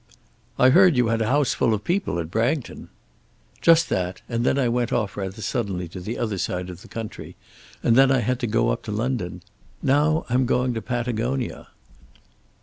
"I heard you had a house full of people at Bragton." "Just that, and then I went off rather suddenly to the other side of the country; and then I had to go up to London. Now I'm going to Patagonia."